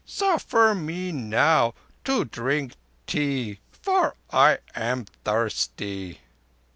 Suffer me now to drink tea, for I am thirsty."